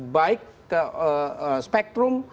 baik ke spektrum